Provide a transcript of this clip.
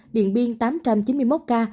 điện biên tám chín mươi một ca